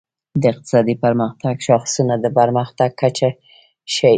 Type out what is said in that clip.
د اقتصادي پرمختګ شاخصونه د پرمختګ کچه ښيي.